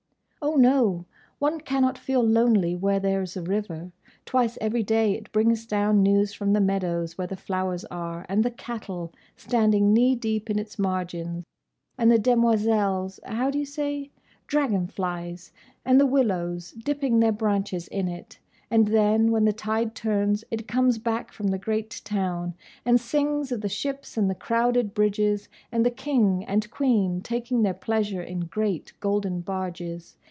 "Oh, no! One cannot feel lonely where there 's a river. Twice every day it brings down news from the meadows, where the flowers are, and the cattle, standing knee deep in its margin, and the demoiselles—how do you say?—dragonflies—and the willows, dipping their branches in it. And then, when the tide turns, it comes back from the great town, and sings of the ships and the crowded bridges, and the King and Queen taking their pleasure in great, golden barges.